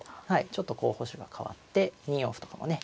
ちょっと候補手が変わって２四歩とかもね。